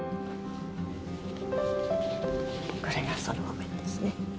これがその譜面ですね。